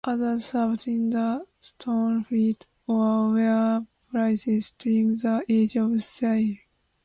Others served in the Stone Fleet, or were prizes during the Age of Sail.